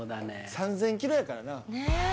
３０００キロやからなねえ